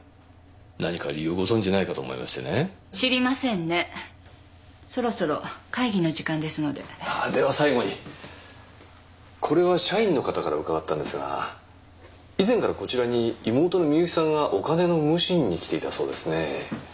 何か理由をご存じないかと思いましてね知りませんねそろそろ会議の時間ですのであぁでは最後にこれは社員の方から伺ったんですが以前からこちらに妹の美雪さんがお金の無心に来ていたそうですね